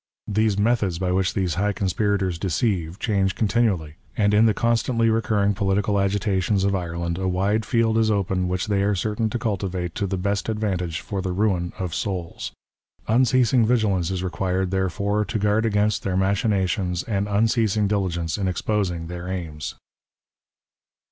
The methods by which these high conspirators XXU PREFACE. deceive, change continually; and in the constantly recurring political agitations of Ireland, a wide field is open which they are certain to cultivate to the best advantage for the ruin of souls. Unceasing vigilance is required, therefore, to guard against their machinations and unceasing diligence in exposing their aims.